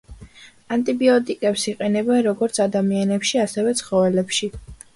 ანტიბიოტიკებს იყენებენ როგორც ადამიანებში ასევე ცხოველებში.